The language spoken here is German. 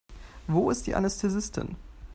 Wo ist die Anästhesistin?